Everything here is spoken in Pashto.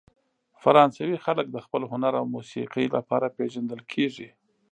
فرانسوي خلک د خپل هنر او موسیقۍ لپاره پېژندل کیږي.